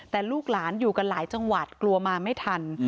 แต่ลูกหลานอยู่กันหลายจังหวัดกลัวมาไม่ทัน